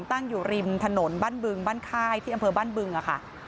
ตั้งอยู่ริมถนนบ้านบึงบ้านค่ายที่อำเภอบ้านบึงค่ะ